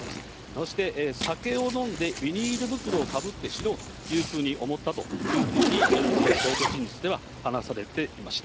そして酒を飲んでビニール袋をかぶって死のうというふうに思ったというふうに、冒頭陳述では話されていました。